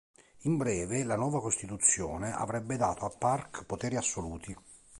In breve, la nuova costituzione avrebbe dato a Park poteri assoluti.